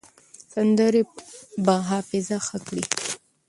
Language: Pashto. سندرې به حافظه ښه کړي.